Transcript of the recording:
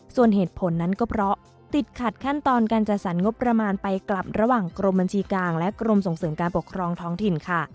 ส่วนเหตุผลนั้นก็เพราะติดขัดขั้นตอนการจัดสรรงบประมาณไปกลับระหว่างกรมบัญชีกลางและกรมส่งเสริมการปกครองท้องถิ่นค่ะ